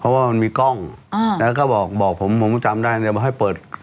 เพราะว่ามันมีกล้องแล้วก็บอกผมผมก็จำได้เนี่ยบอกให้เปิด